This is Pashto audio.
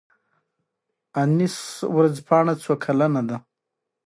انیس ورځپاڼه څو کلنه ده؟